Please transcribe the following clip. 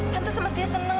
tante semestinya senang tante